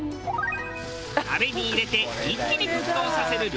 鍋に入れて一気に沸騰させる漁師飯